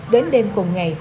đến đêm cùng ngày